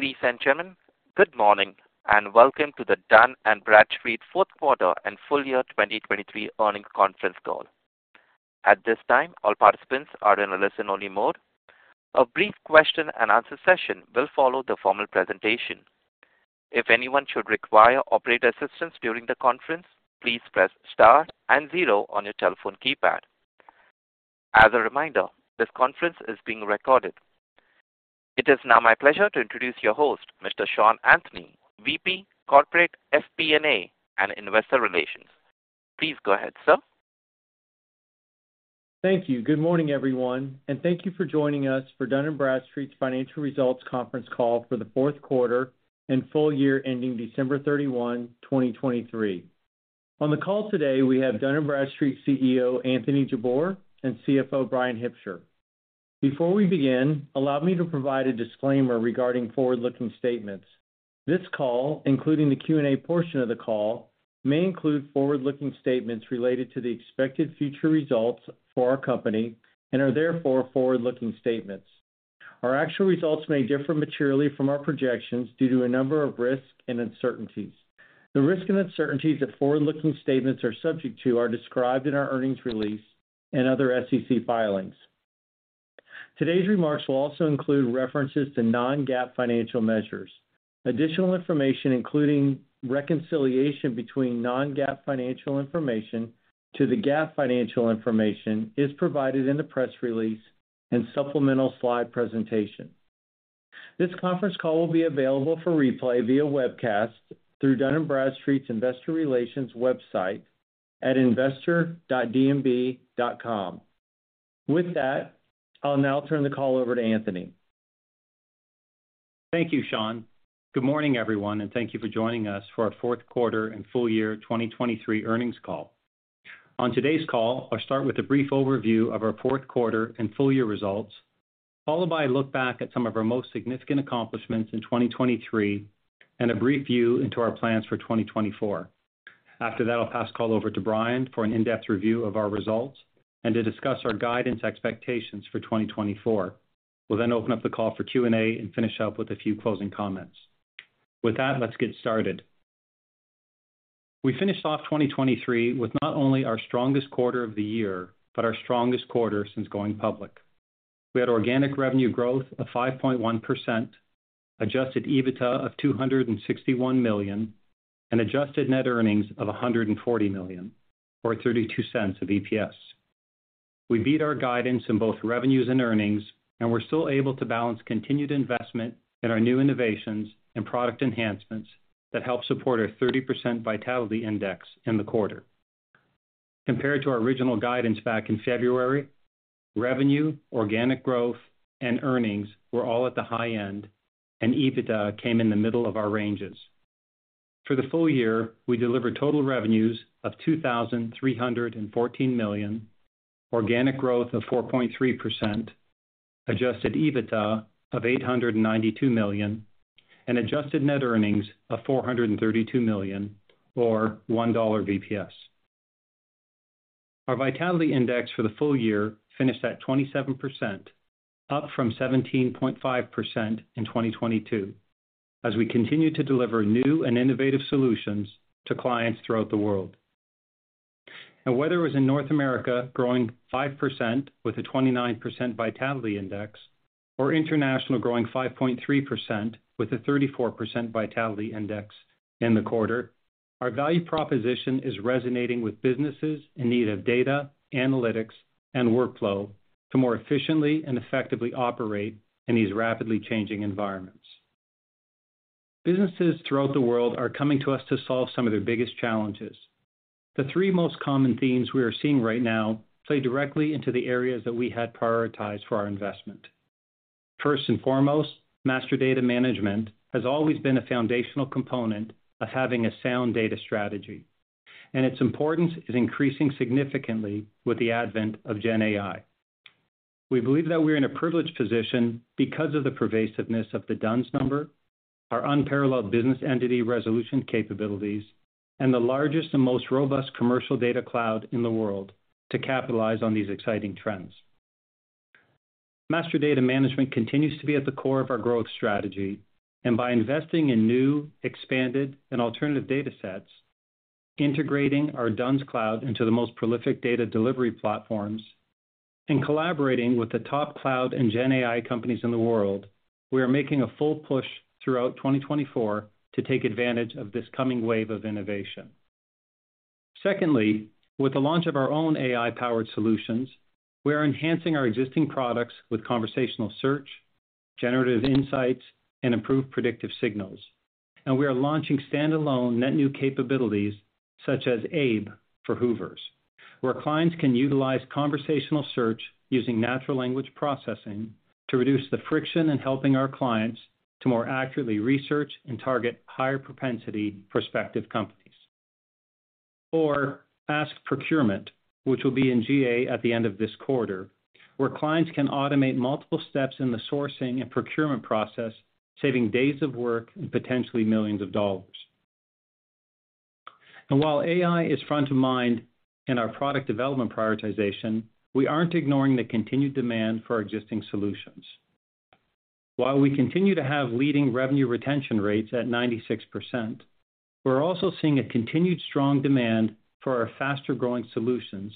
Ladies and gentlemen, good morning, and welcome to the Dun & Bradstreet fourth quarter and full year 2023 earnings conference call. At this time, all participants are in a listen-only mode. A brief question-and-answer session will follow the formal presentation. If anyone should require operator assistance during the conference, please press star and zero on your telephone keypad. As a reminder, this conference is being recorded. It is now my pleasure to introduce your host, Mr. Sean Anthony, VP, Corporate FP&A and investor relations. Please go ahead, sir. Thank you. Good morning, everyone, and thank you for joining us for Dun & Bradstreet's Financial Results Conference call for the fourth quarter and full year ending December 31, 2023. On the call today, we have Dun & Bradstreet CEO, Anthony Jabbour, and CFO, Bryan Hipsher. Before we begin, allow me to provide a disclaimer regarding forward-looking statements. This call, including the Q&A portion of the call, may include forward-looking statements related to the expected future results for our company and are therefore forward-looking statements. Our actual results may differ materially from our projections due to a number of risks and uncertainties. The risks and uncertainties that forward-looking statements are subject to are described in our earnings release and other SEC filings. Today's remarks will also include references to non-GAAP financial measures. Additional information, including reconciliation between non-GAAP financial information to the GAAP financial information, is provided in the press release and supplemental slide presentation. This conference call will be available for replay via webcast through Dun & Bradstreet's investor relations website at investor.dnb.com. With that, I'll now turn the call over to Anthony. Thank you, Sean. Good morning, everyone, and thank you for joining us for our fourth quarter and full year 2023 earnings call. On today's call, I'll start with a brief overview of our fourth quarter and full year results, followed by a look back at some of our most significant accomplishments in 2023 and a brief view into our plans for 2024. After that, I'll pass the call over to Bryan for an in-depth review of our results and to discuss our guidance expectations for 2024. We'll then open up the call for Q&A and finish up with a few closing comments. With that, let's get started. We finished off 2023 with not only our strongest quarter of the year but our strongest quarter since going public. We had organic revenue growth of 5.1%, adjusted EBITDA of $261 million, and adjusted net earnings of $140 million, or $0.32 EPS. We beat our guidance in both revenues and earnings, and we're still able to balance continued investment in our new innovations and product enhancements that help support our 30% Vitality Index in the quarter. Compared to our original guidance back in February, revenue, organic growth, and earnings were all at the high end, and EBITDA came in the middle of our ranges. For the full year, we delivered total revenues of $2,314 million, organic growth of 4.3%, adjusted EBITDA of $892 million, and adjusted net earnings of $432 million, or $1.00 EPS. Our Vitality Index for the full year finished at 27%, up from 17.5% in 2022, as we continue to deliver new and innovative solutions to clients throughout the world. Whether it was in North America, growing 5% with a 29% Vitality Index, or international, growing 5.3% with a 34% Vitality Index in the quarter, our value proposition is resonating with businesses in need of data, analytics, and workflow to more efficiently and effectively operate in these rapidly changing environments. Businesses throughout the world are coming to us to solve some of their biggest challenges. The three most common themes we are seeing right now play directly into the areas that we had prioritized for our investment. First and foremost, master data management has always been a foundational component of having a sound data strategy, and its importance is increasing significantly with the advent of Gen AI. We believe that we're in a privileged position because of the pervasiveness of the D-U-N-S Number, our unparalleled business entity resolution capabilities, and the largest and most robust commercial data cloud in the world to capitalize on these exciting trends. Master data management continues to be at the core of our growth strategy, and by investing in new, expanded, and alternative datasets, integrating our D&B's cloud into the most prolific data delivery platforms, and collaborating with the top cloud and Gen AI companies in the world, we are making a full push throughout 2024 to take advantage of this coming wave of innovation. Secondly, with the launch of our own AI-powered solutions, we are enhancing our existing products with conversational search, generative insights, and improved predictive signals. We are launching standalone net new capabilities such as Abe for Hoovers, where clients can utilize conversational search using natural language processing to reduce the friction in helping our clients to more accurately research and target higher propensity prospective companies or Ask Procurement, which will be in GA at the end of this quarter, where clients can automate multiple steps in the sourcing and procurement process, saving days of work and potentially millions of dollars. While AI is front of mind in our product development prioritization, we aren't ignoring the continued demand for our existing solutions. While we continue to have leading revenue retention rates at 96%, we're also seeing a continued strong demand for our faster-growing solutions,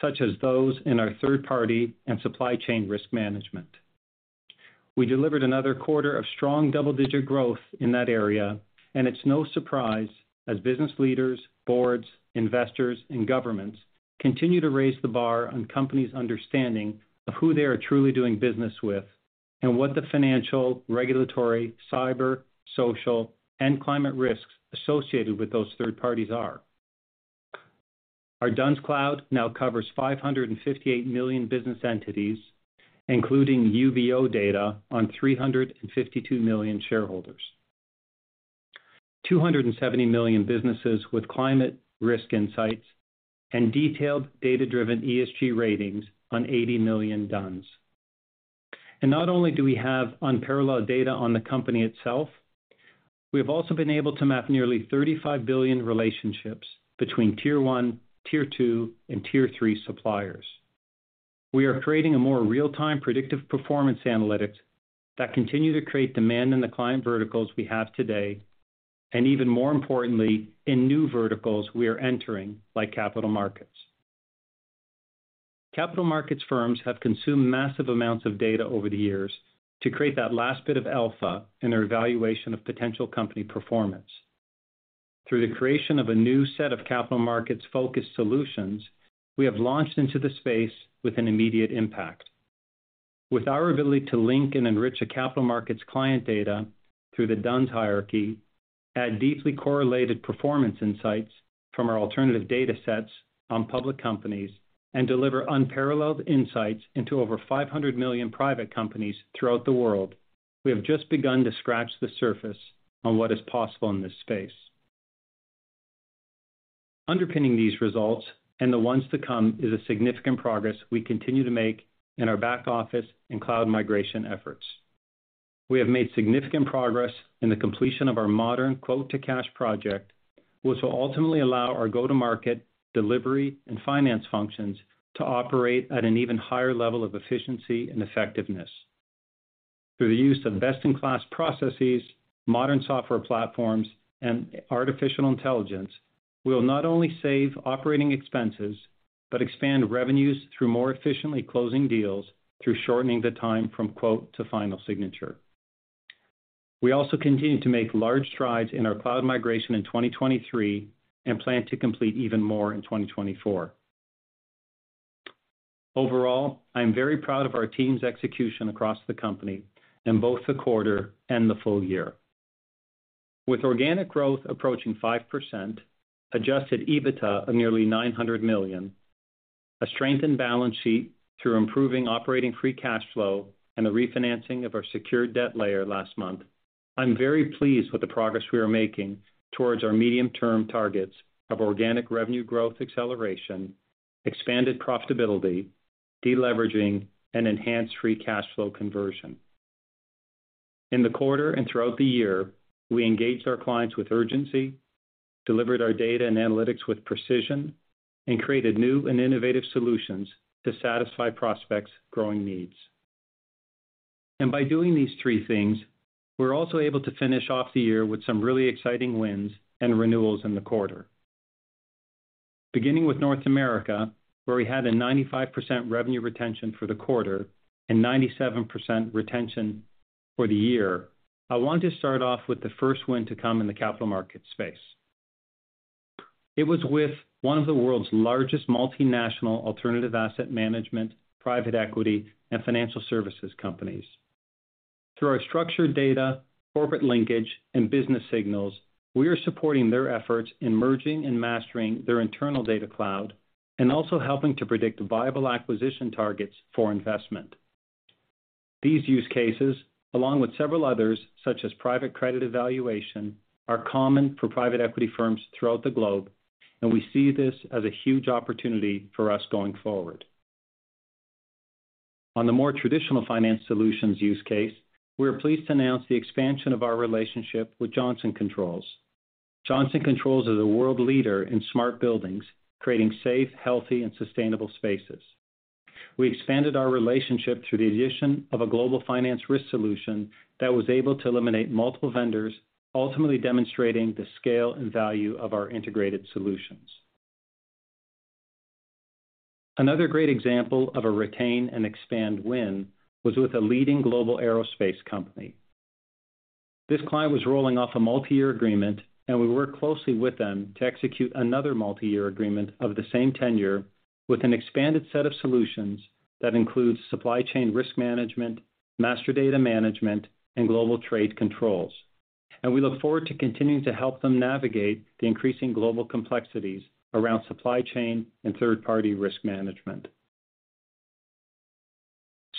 such as those in our third party and supply chain risk management. We delivered another quarter of strong double-digit growth in that area, and it's no surprise as business leaders, boards, investors, and governments continue to raise the bar on companies' understanding of who they are truly doing business with, and what the financial, regulatory, cyber, social, and climate risks associated with those third parties are. Our D&B Cloud now covers 558 million business entities, including UBO data on 352 million shareholders. 270 million businesses with climate risk insights and detailed data-driven ESG ratings on 80 million D-U-N-S. And not only do we have unparalleled data on the company itself, we have also been able to map nearly 35 billion relationships between Tier One, Tier Two, and Tier Three suppliers. We are creating a more real-time predictive performance analytics that continue to create demand in the client verticals we have today, and even more importantly, in new verticals we are entering, like capital markets. Capital markets firms have consumed massive amounts of data over the years to create that last bit of alpha in their evaluation of potential company performance. Through the creation of a new set of capital markets-focused solutions, we have launched into the space with an immediate impact. With our ability to link and enrich a capital markets client data through the D-U-N-S hierarchy, add deeply correlated performance insights from our alternative data sets on public companies, and deliver unparalleled insights into over 500 million private companies throughout the world, we have just begun to scratch the surface on what is possible in this space. Underpinning these results and the ones to come, is a significant progress we continue to make in our back office and cloud migration efforts. We have made significant progress in the completion of our modern quote-to-cash project, which will ultimately allow our go-to-market, delivery, and finance functions to operate at an even higher level of efficiency and effectiveness. Through the use of best-in-class processes, modern software platforms, and artificial intelligence, we will not only save operating expenses, but expand revenues through more efficiently closing deals through shortening the time from quote to final signature. We also continue to make large strides in our cloud migration in 2023 and plan to complete even more in 2024. Overall, I'm very proud of our team's execution across the company in both the quarter and the full year. With organic growth approaching 5%, Adjusted EBITDA of nearly $900 million, a strengthened balance sheet through improving operating free cash flow, and the refinancing of our secured debt layer last month, I'm very pleased with the progress we are making towards our medium-term targets of organic revenue growth acceleration, expanded profitability, deleveraging, and enhanced free cash flow conversion. In the quarter and throughout the year, we engaged our clients with urgency, delivered our data and analytics with precision, and created new and innovative solutions to satisfy prospects' growing needs. By doing these three things, we're also able to finish off the year with some really exciting wins and renewals in the quarter. Beginning with North America, where we had a 95% revenue retention for the quarter and 97% retention for the year, I want to start off with the first win to come in the capital market space. It was with one of the world's largest multinational alternative asset management, private equity, and financial services companies. Through our structured data, corporate linkage, and business signals, we are supporting their efforts in merging and mastering their internal data cloud, and also helping to predict viable acquisition targets for investment. These use cases, along with several others, such as private credit evaluation, are common for private equity firms throughout the globe, and we see this as a huge opportunity for us going forward. On the more traditional finance solutions use case, we are pleased to announce the expansion of our relationship with Johnson Controls. Johnson Controls is a world leader in smart buildings, creating safe, healthy, and sustainable spaces. We expanded our relationship through the addition of a global finance risk solution that was able to eliminate multiple vendors, ultimately demonstrating the scale and value of our integrated solutions. Another great example of a retain and expand win was with a leading global aerospace company. This client was rolling off a multi-year agreement, and we worked closely with them to execute another multi-year agreement of the same tenure with an expanded set of solutions that includes supply chain risk management, master data management, and global trade controls. And we look forward to continuing to help them navigate the increasing global complexities around supply chain and third-party risk management.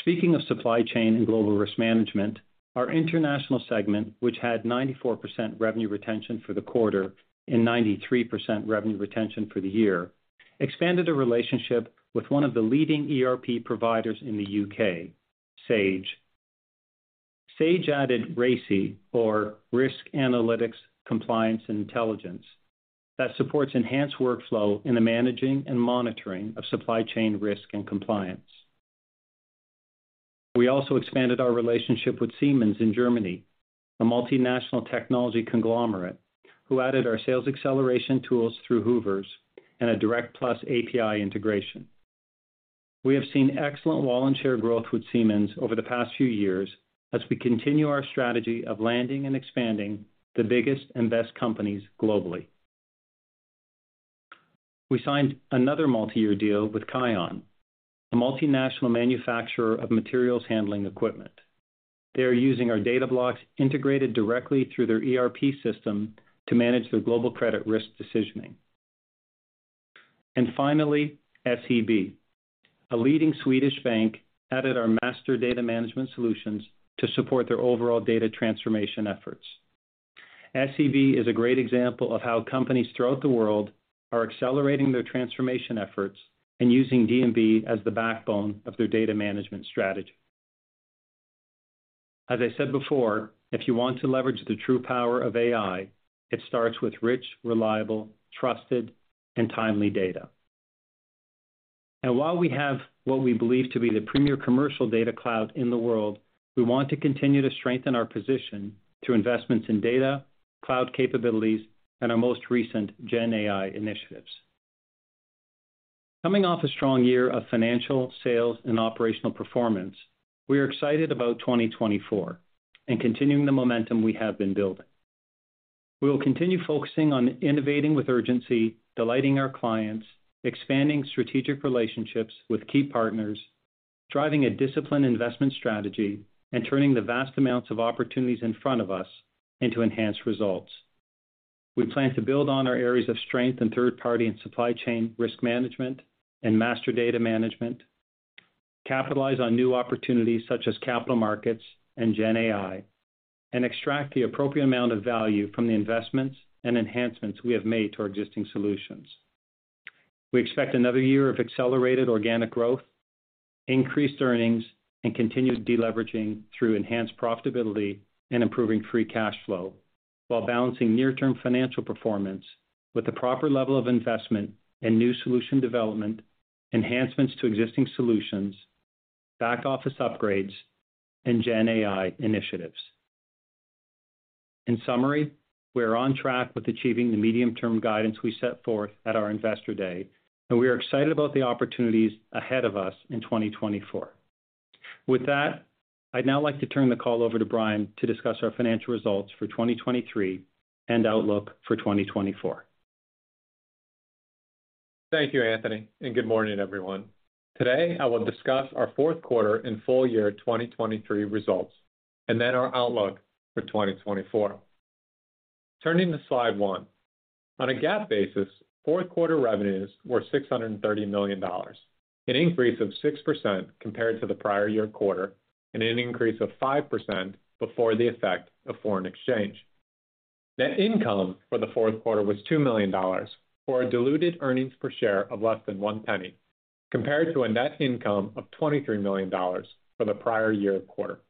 Speaking of supply chain and global risk management, our international segment, which had 94% revenue retention for the quarter and 93% revenue retention for the year, expanded a relationship with one of the leading ERP providers in the U.K., Sage. Sage added RACI, or Risk Analytics, Compliance, and Intelligence, that supports enhanced workflow in the managing and monitoring of supply chain risk and compliance. We also expanded our relationship with Siemens in Germany, a multinational technology conglomerate, who added our sales acceleration tools through Hoovers and a Direct Plus API integration. We have seen excellent wallet share growth with Siemens over the past few years as we continue our strategy of landing and expanding the biggest and best companies globally. We signed another multi-year deal with KION, a multinational manufacturer of materials handling equipment. They are using our Data Blocks integrated directly through their ERP system to manage their global credit risk decisioning. And finally, SEB, a leading Swedish bank, added our master data management solutions to support their overall data transformation efforts. SEB is a great example of how companies throughout the world are accelerating their transformation efforts and using D&B as the backbone of their data management strategy. As I said before, if you want to leverage the true power of AI, it starts with rich, reliable, trusted, and timely data. While we have what we believe to be the premier commercial data cloud in the world, we want to continue to strengthen our position through investments in data, cloud capabilities, and our most recent GenAI initiatives. Coming off a strong year of financial, sales, and operational performance, we are excited about 2024 and continuing the momentum we have been building. We will continue focusing on innovating with urgency, delighting our clients, expanding strategic relationships with key partners, driving a disciplined investment strategy, and turning the vast amounts of opportunities in front of us into enhanced results. We plan to build on our areas of strength in third party and supply chain risk management and master data management, capitalize on new opportunities such as capital markets and GenAI, and extract the appropriate amount of value from the investments and enhancements we have made to our existing solutions. We expect another year of accelerated organic growth, increased earnings, and continued deleveraging through enhanced profitability and improving free cash flow, while balancing near-term financial performance with the proper level of investment in new solution development, enhancements to existing solutions, back office upgrades, and GenAI initiatives. In summary, we are on track with achieving the medium-term guidance we set forth at our Investor Day, and we are excited about the opportunities ahead of us in 2024. With that, I'd now like to turn the call over to Bryan to discuss our financial results for 2023 and outlook for 2024. Thank you, Anthony, and good morning, everyone. Today, I will discuss our fourth quarter and full year 2023 results, and then our outlook for 2024. Turning to slide one. On a GAAP basis, fourth quarter revenues were $630 million, an increase of 6% compared to the prior year quarter, and an increase of 5% before the effect of foreign exchange. Net income for the fourth quarter was $2 million, or a diluted earnings per share of less than $0.01, compared to a net income of $23 million for the prior year quarter.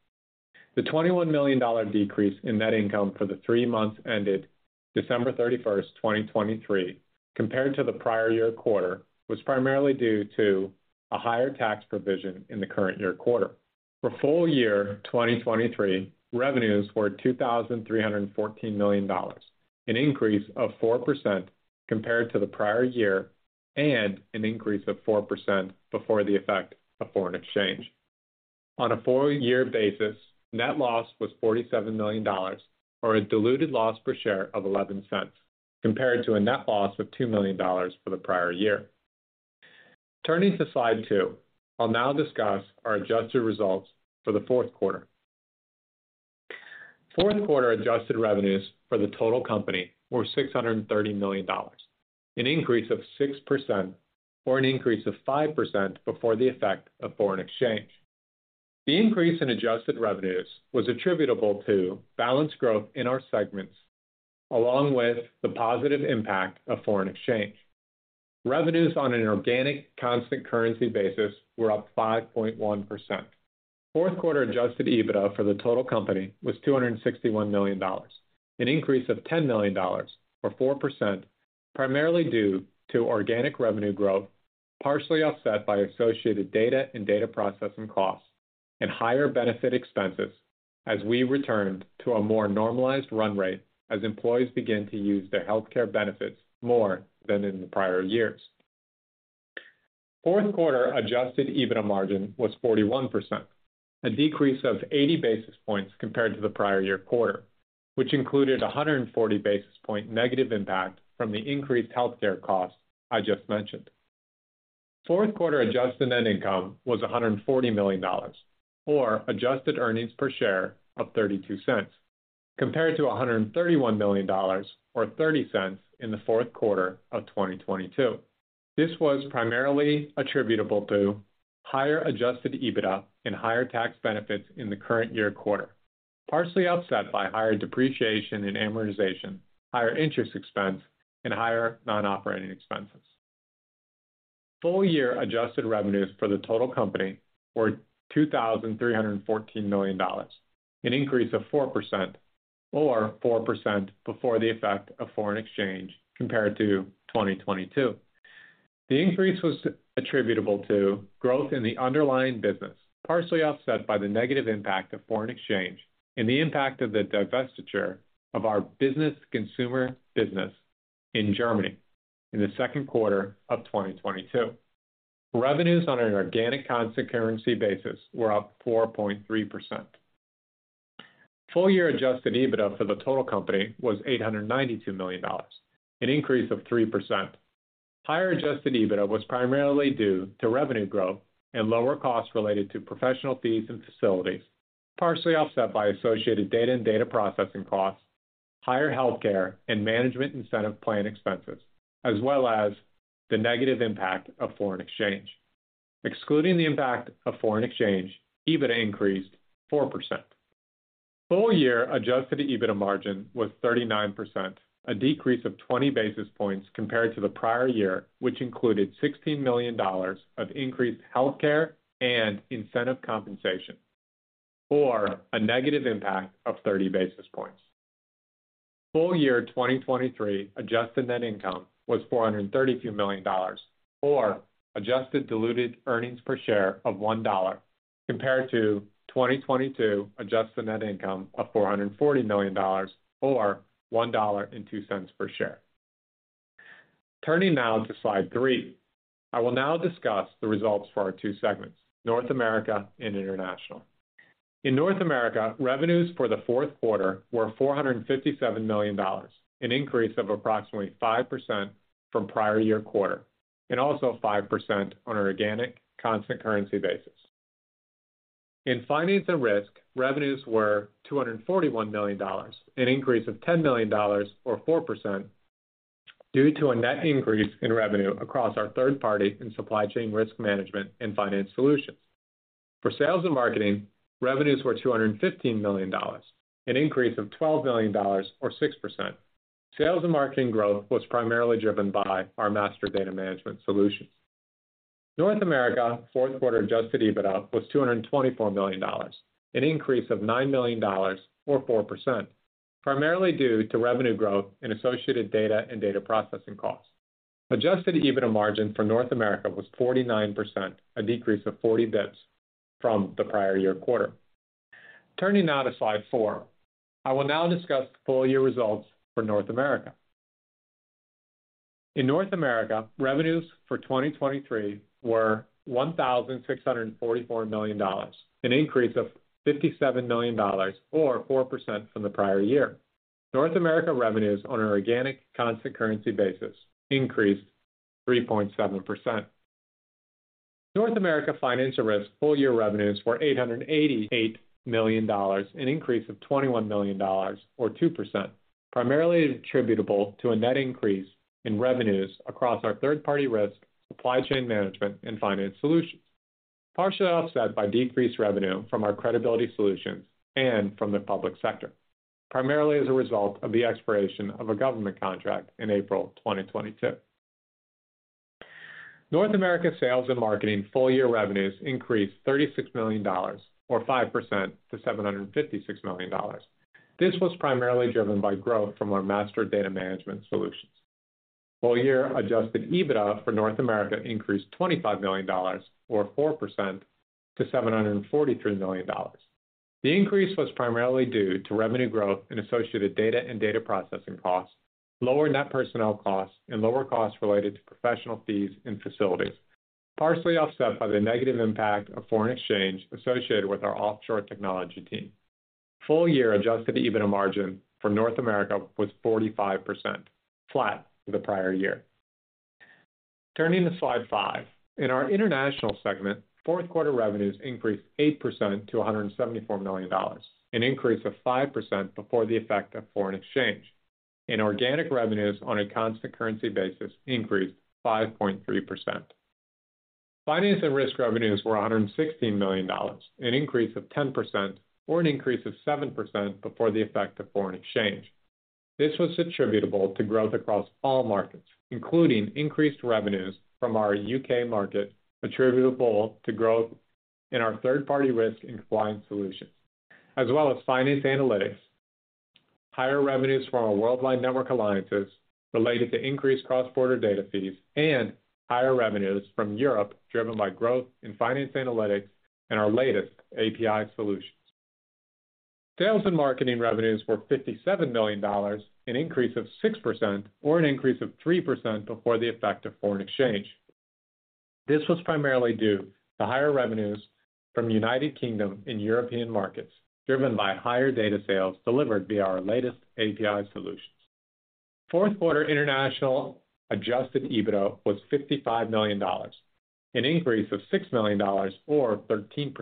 The $21 million decrease in net income for the three months ended December 31st, 2023, compared to the prior year quarter, was primarily due to a higher tax provision in the current year quarter. For full year 2023, revenues were $2,314 million, an increase of 4% compared to the prior year, and an increase of 4% before the effect of foreign exchange. On a full year basis, net loss was $47 million, or a diluted loss per share of $0.11, compared to a net loss of $2 million for the prior year. Turning to slide two, I'll now discuss our adjusted results for the fourth quarter. Fourth quarter adjusted revenues for the total company were $630 million, an increase of 6% or an increase of 5% before the effect of foreign exchange. The increase in adjusted revenues was attributable to balanced growth in our segments, along with the positive impact of foreign exchange. Revenues on an organic constant currency basis were up 5.1%. Fourth quarter adjusted EBITDA for the total company was $261 million, an increase of $10 million or 4%, primarily due to organic revenue growth, partially offset by associated data and data processing costs and higher benefit expenses as we returned to a more normalized run rate as employees began to use their healthcare benefits more than in the prior years. Fourth quarter adjusted EBITDA margin was 41%, a decrease of 80 basis points compared to the prior year quarter, which included a 140 basis point negative impact from the increased healthcare costs I just mentioned. Fourth quarter adjusted net income was $140 million, or adjusted earnings per share of $0.32, compared to $131 million, or $0.30 in the fourth quarter of 2022. This was primarily attributable to higher Adjusted EBITDA and higher tax benefits in the current year quarter, partially offset by higher depreciation and amortization, higher interest expense, and higher non-operating expenses.... Full year adjusted revenues for the total company were $2,314 million, an increase of 4% or 4% before the effect of foreign exchange compared to 2022. The increase was attributable to growth in the underlying business, partially offset by the negative impact of foreign exchange and the impact of the divestiture of our business consumer business in Germany in the second quarter of 2022. Revenues on an organic constant-currency basis were up 4.3%. Full year Adjusted EBITDA for the total company was $892 million, an increase of 3%. Higher Adjusted EBITDA was primarily due to revenue growth and lower costs related to professional fees and facilities, partially offset by associated data and data processing costs, higher healthcare and management incentive plan expenses, as well as the negative impact of foreign exchange. Excluding the impact of foreign exchange, EBITDA increased 4%. Full-year Adjusted EBITDA margin was 39%, a decrease of 20 basis points compared to the prior year, which included $16 million of increased healthcare and incentive compensation, or a negative impact of 30 basis points. Full-year 2023 Adjusted net income was $432 million, or adjusted diluted earnings per share of $1, compared to 2022 Adjusted net income of $440 million, or $1.02 per share. Turning now to slide three. I will now discuss the results for our two segments, North America and International. In North America, revenues for the fourth quarter were $457 million, an increase of approximately 5% from prior year quarter, and also 5% on an organic constant currency basis. In finance and risk, revenues were $241 million, an increase of $10 million or 4% due to a net increase in revenue across our third party and supply chain risk management and finance solutions. For sales and marketing, revenues were $215 million, an increase of $12 million or 6%. Sales and marketing growth was primarily driven by our master data management solutions. North America fourth quarter Adjusted EBITDA was $224 million, an increase of $9 million or 4%, primarily due to revenue growth and associated data and data processing costs. Adjusted EBITDA margin for North America was 49%, a decrease of 40 basis points from the prior year quarter. Turning now to slide four. I will now discuss the full year results for North America. In North America, revenues for 2023 were $1,644 million, an increase of $57 million or 4% from the prior year. North America revenues on an organic constant currency basis increased 3.7%. North America Finance and Risk full-year revenues were $888 million, an increase of $21 million or 2%, primarily attributable to a net increase in revenues across our third-party risk, supply chain management and finance solutions. Partially offset by decreased revenue from our credibility solutions and from the public sector, primarily as a result of the expiration of a government contract in April 2022. North America Sales and Marketing full-year revenues increased $36 million, or 5% to $756 million. This was primarily driven by growth from our master data management solutions. Full-year Adjusted EBITDA for North America increased $25 million, or 4% to $743 million. The increase was primarily due to revenue growth and associated data and data processing costs, lower net personnel costs, and lower costs related to professional fees and facilities, partially offset by the negative impact of foreign exchange associated with our offshore technology team. Full year Adjusted EBITDA margin for North America was 45%, flat to the prior year. Turning to slide five. In our international segment, fourth quarter revenues increased 8% to $174 million, an increase of 5% before the effect of foreign exchange, and organic revenues on a constant currency basis increased 5.3%. Finance and risk revenues were $116 million, an increase of 10% or an increase of 7% before the effect of foreign exchange. This was attributable to growth across all markets, including increased revenues from our U.K. market, attributable to growth in our third-party risk and compliance solutions, as well as finance analytics. Higher revenues from our worldwide network alliances related to increased cross-border data fees and higher revenues from Europe, driven by growth in finance, analytics and our latest API solutions. Sales and marketing revenues were $57 million, an increase of 6% or an increase of 3% before the effect of foreign exchange. This was primarily due to higher revenues from United Kingdom and European markets, driven by higher data sales delivered via our latest API solutions. Fourth quarter international Adjusted EBITDA was $55 million, an increase of $6 million or 13%.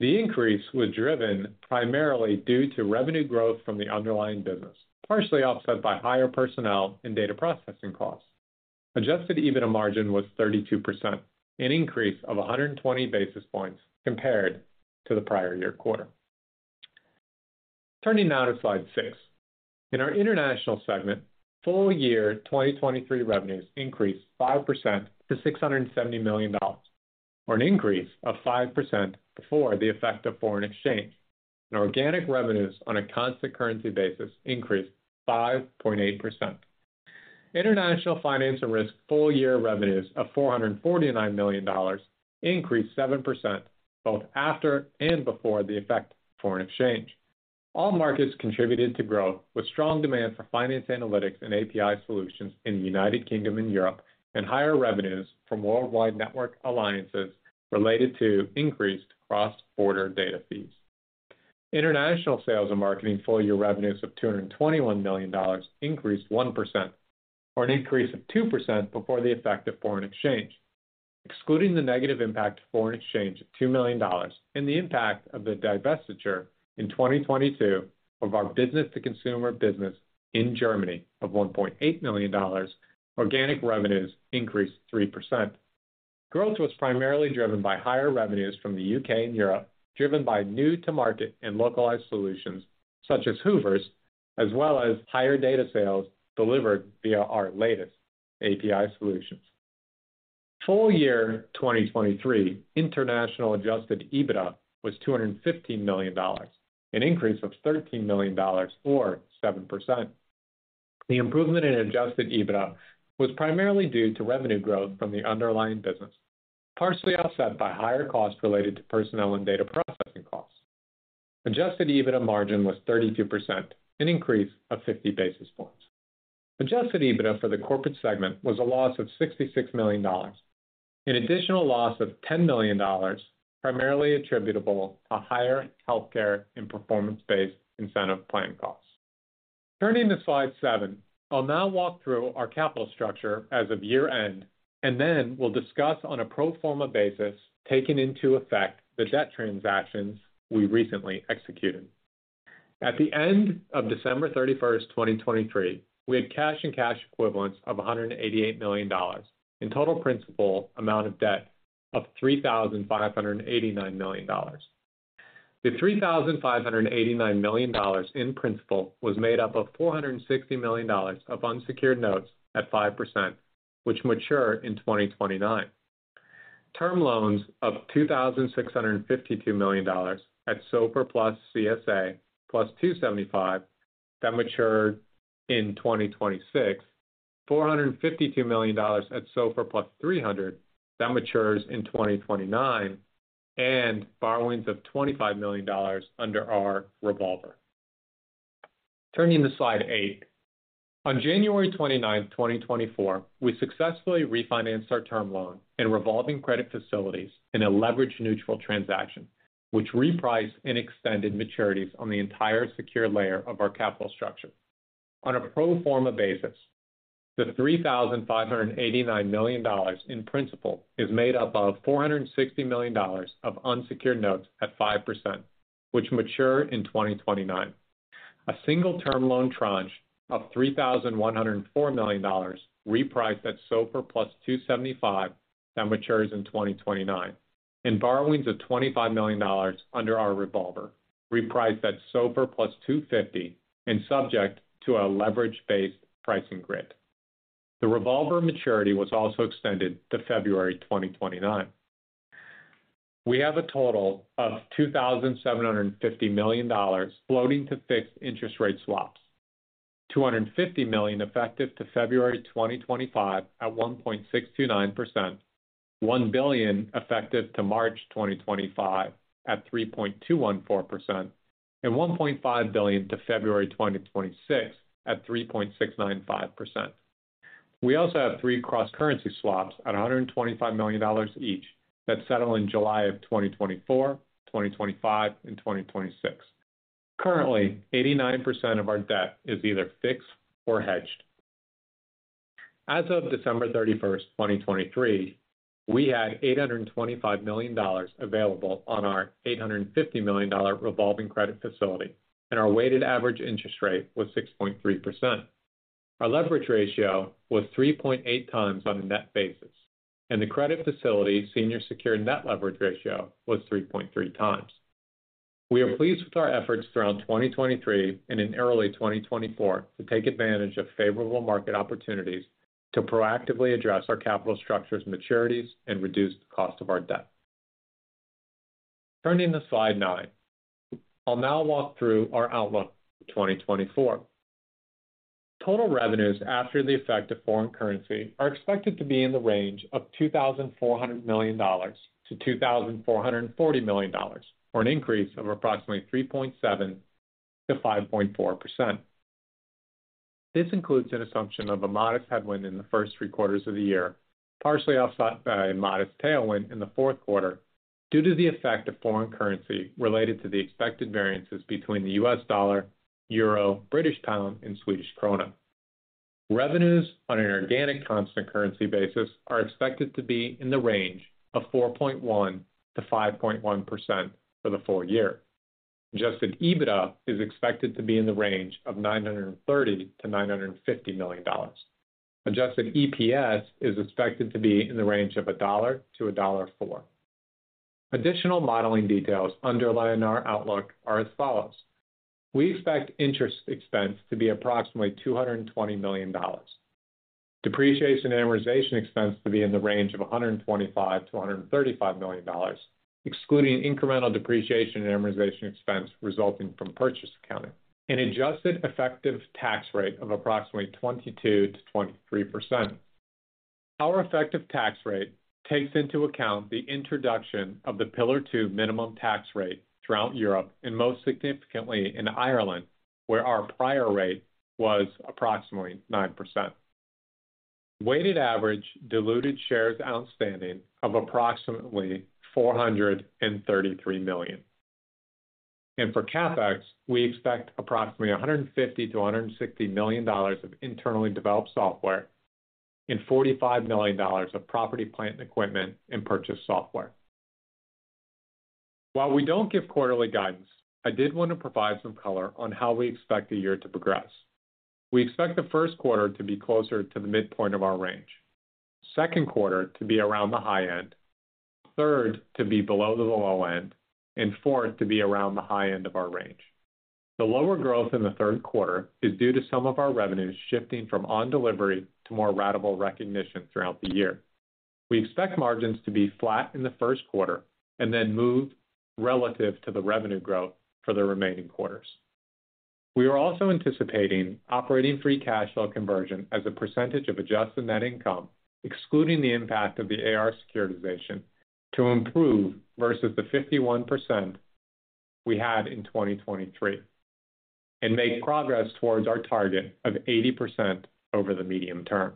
The increase was driven primarily due to revenue growth from the underlying business, partially offset by higher personnel and data processing costs. Adjusted EBITDA margin was 32%, an increase of 120 basis points compared to the prior year quarter. Turning now to slide six. In our International segment, full year 2023 revenues increased 5% to $670 million, or an increase of 5% before the effect of foreign exchange, and organic revenues on a constant currency basis increased 5.8%. International finance and risk full year revenues of $449 million increased 7%, both after and before the effect of foreign exchange. All markets contributed to growth, with strong demand for finance, analytics and API solutions in the United Kingdom and Europe, and higher revenues from worldwide network alliances related to increased cross-border data fees. International sales and marketing full year revenues of $221 million increased 1%, or an increase of 2% before the effect of foreign exchange. Excluding the negative impact of foreign exchange of $2 million and the impact of the divestiture in 2022 of our business to consumer business in Germany of $1.8 million, organic revenues increased 3%. Growth was primarily driven by higher revenues from the U.K. and Europe, driven by new to market and localized solutions such as Hoovers, as well as higher data sales delivered via our latest API solutions. Full year 2023 international Adjusted EBITDA was $215 million, an increase of $13 million or 7%. The improvement in adjusted EBITDA was primarily due to revenue growth from the underlying business, partially offset by higher costs related to personnel and data processing costs. Adjusted EBITDA margin was 32%, an increase of 50 basis points. Adjusted EBITDA for the corporate segment was a loss of $66 million, an additional loss of $10 million, primarily attributable to higher healthcare and performance-based incentive plan costs. Turning to slide seven, I'll now walk through our capital structure as of year-end, and then we'll discuss on a pro forma basis, taking into effect the debt transactions we recently executed. At the end of December 31st, 2023, we had cash and cash equivalents of $188 million, and total principal amount of debt of $3,589 million. The $3,589 million in principal was made up of $460 million of unsecured notes at 5%, which mature in 2029. Term loans of $2,652 million at SOFR + CSA + 2.75, that matured in 2026. $452 million at SOFR + 3.00, that matures in 2029, and borrowings of $25 million under our revolver. Turning to slide eight. On January 29th, 2024, we successfully refinanced our term loan and revolving credit facilities in a leverage neutral transaction, which repriced and extended maturities on the entire secure layer of our capital structure. On a pro forma basis, the $3,589 million in principal is made up of $460 million of unsecured notes at 5%, which mature in 2029. A single term loan tranche of $3,104 million, repriced at SOFR + 275, that matures in 2029, and borrowings of $25 million under our revolver, repriced at SOFR + 250 and subject to a leverage-based pricing grid. The revolver maturity was also extended to February 2029. We have a total of $2,750 million floating to fixed interest rate swaps. $250 million effective to February 2025 at 1.629%, $1 billion effective to March 2025 at 3.214%, and $1.5 billion to February 2026 at 3.695%. We also have three cross-currency swaps at $125 million each that settle in July of 2024, 2025, and 2026. Currently, 89% of our debt is either fixed or hedged. As of December 31, 2023, we had $825 million available on our $850 million revolving credit facility, and our weighted average interest rate was 6.3%. Our leverage ratio was 3.8x on a net basis, and the credit facility senior secured net leverage ratio was 3.3x. We are pleased with our efforts throughout 2023 and in early 2024, to take advantage of favorable market opportunities to proactively address our capital structure's maturities and reduce the cost of our debt. Turning to slide nine. I'll now walk through our outlook for 2024. Total revenues after the effect of foreign currency, are expected to be in the range of $2,400 million-$2,440 million, or an increase of approximately 3.7%-5.4%. This includes an assumption of a modest headwind in the first three quarters of the year, partially offset by a modest tailwind in the fourth quarter, due to the effect of foreign currency related to the expected variances between the U.S. dollar, euro, British pound, and Swedish krona. Revenues on an organic, constant currency basis are expected to be in the range of 4.1%-5.1% for the full year. Adjusted EBITDA is expected to be in the range of $930 million-$950 million. Adjusted EPS is expected to be in the range of $1-$1.04. Additional modeling details underlying our outlook are as follows: We expect interest expense to be approximately $220 million. Depreciation and amortization expense to be in the range of $125 million-$135 million, excluding incremental depreciation and amortization expense resulting from purchase accounting. An adjusted effective tax rate of approximately 22%-23%. Our effective tax rate takes into account the introduction of the Pillar Two minimum tax rate throughout Europe, and most significantly in Ireland, where our prior rate was approximately 9%. Weighted average diluted shares outstanding of approximately 433 million. For CapEx, we expect approximately $150 million-$160 million of internally developed software and $45 million of property, plant, and equipment in purchased software. While we don't give quarterly guidance, I did want to provide some color on how we expect the year to progress. We expect the first quarter to be closer to the midpoint of our range, second quarter to be around the high end, third to be below the low end, and fourth to be around the high end of our range. The lower growth in the third quarter is due to some of our revenues shifting from on-delivery to more ratable recognition throughout the year. We expect margins to be flat in the first quarter and then move relative to the revenue growth for the remaining quarters. We are also anticipating operating free cash flow conversion as a percentage of adjusted net income, excluding the impact of the AR securitization, to improve versus the 51% we had in 2023, and make progress towards our target of 80% over the medium term.